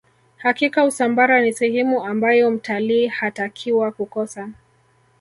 hakika usambara ni sehemu ambayo mtalii hatakiwa kukosa